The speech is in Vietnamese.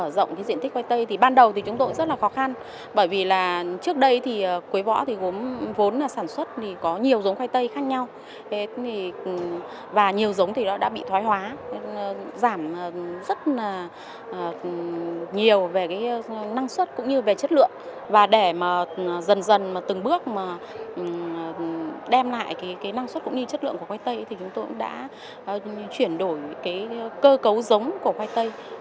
để dần dần từng bước đem lại năng suất cũng như chất lượng của khoai tây chúng tôi đã chuyển đổi cơ cấu giống của khoai tây lựa chọn giống khoai tây có chất lượng tốt để đưa vào sản xuất